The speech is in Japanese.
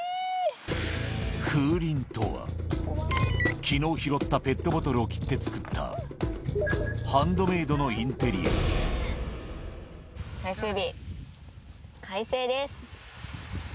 風鈴とは、きのう拾ったペットボトルを切って作ったハンドメイドのインテリ最終日、快晴です。